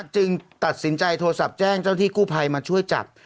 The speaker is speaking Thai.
จึงตัดสินใจโทรศัพท์แจ้งเจ้าที่กู้ภัยมาช่วยจับ